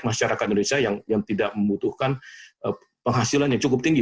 masyarakat indonesia yang tidak membutuhkan penghasilan yang cukup tinggi